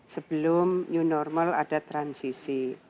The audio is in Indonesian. sebelum new normal ada transisi